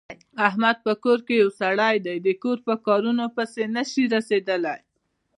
احمد په کور کې یو سری دی، د کور په کارنو پسې نشي رسېدلی.